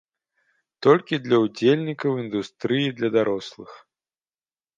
Толькі для ўдзельнікаў індустрыі для дарослых.